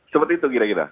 seperti itu kira kira